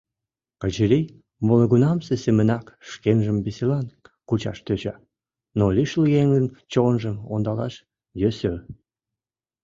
Качырий молыгунамсе семынак шкенжым веселан кучаш тӧча, но лишыл еҥын чонжым ондалаш йӧсӧ.